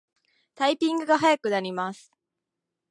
タイピングが早くなります